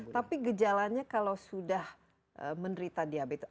tapi gejalanya kalau sudah menderita diabetes